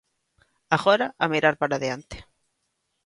Agora a mirar para adiante.